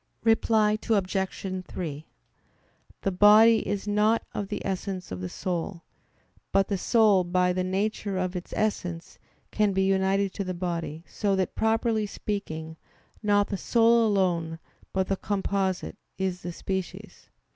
Reply Obj. 3: The body is not of the essence of the soul; but the soul by the nature of its essence can be united to the body, so that, properly speaking, not the soul alone, but the "composite," is the species.